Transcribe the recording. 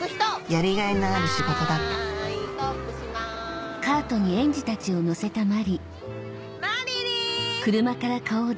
やりがいのある仕事だっストップしますまりりん！